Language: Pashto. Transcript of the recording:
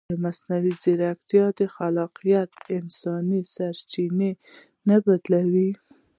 ایا مصنوعي ځیرکتیا د خلاقیت انساني سرچینه نه بدلوي؟